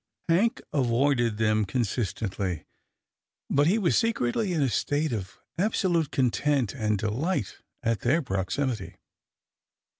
Hank avoided them consistently, but he was secretly in a state of absolute content and delight at their proximity.